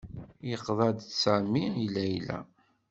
Yeqḍa-d Sami i Layla.